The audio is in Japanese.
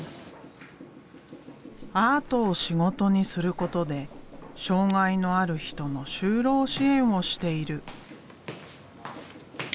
アートを仕事にすることで障害のある人の就労支援をしている。